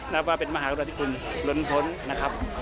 นับว่าเป็นมหาวิทยาลัยที่คุณล้นพ้นนะครับ